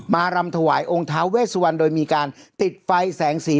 รำถวายองค์ท้าเวสวันโดยมีการติดไฟแสงสี